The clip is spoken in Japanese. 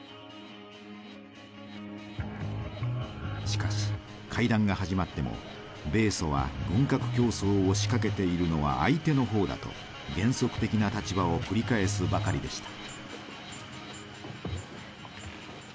しかし会談が始まっても米ソは軍拡競争を仕掛けているのは相手の方だと原則的な立場を繰り返すばかりでした。